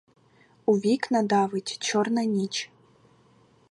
У вікна давить чорна ніч.